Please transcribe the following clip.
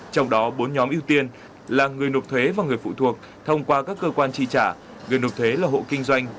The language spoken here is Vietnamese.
trong đó bốn nhóm ưu tiên là người nộp thuế và người phụ thuộc thông qua các cơ quan tri trả người nộp thuế là hộ kinh doanh